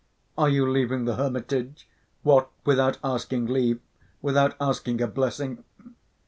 "Are you leaving the hermitage? What, without asking leave, without asking a blessing?"